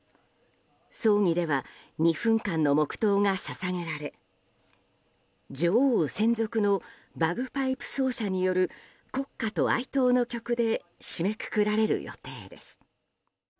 葬儀では２分間の黙祷が捧げられ女王専属のバグパイプ奏者による国歌と哀悼の曲で締めくくられる予定です。